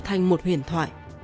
trở thành một huyền thoại